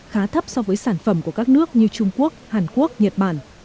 khá thấp so với sản phẩm của các nước như trung quốc hàn quốc nhật bản